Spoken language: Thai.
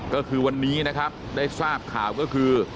ก็คือวันนี้นะครับได้ทราบข่าวก็คือ